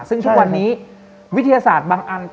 ซึ่งทุกวันนี้วิทยาศาสตร์บางอัน